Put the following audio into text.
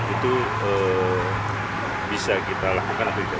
itu bisa kita lakukan akhir akhir